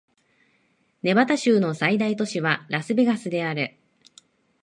ネバダ州の最大都市はラスベガスである